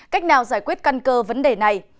cách nào giải quyết căn cơ vấn đề này